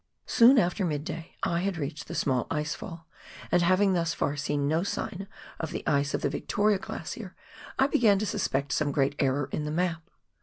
Soon after mid day, I had reached the small ice fall, and having thus far seen no sign of the ice of the Victoria Glacier, I began to suspect some great error in the map.